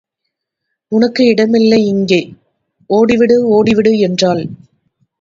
உனக்கு இடமில்லை இங்கே; ஓடிவிடு, ஓடிவிடு என்றாள்.